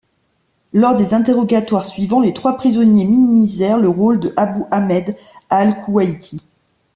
Lors des interrogatoires suivants, les trois prisonniers minimisèrent le rôle de Abu Ahmed al-Kuwaiti.